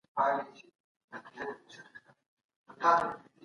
ډیزاین باید ساده وي او د کاروونکي لپاره اسانه تجربه برابره کړي تل.